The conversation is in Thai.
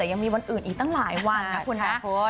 แต่ยังมีวันอื่นอีกตั้งหลายวันนะคุณนะ